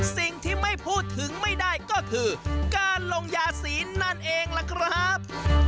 สิ่งที่ไม่พูดถึงไม่ได้ก็คือการลงยาศีลนั่นเองล่ะครับ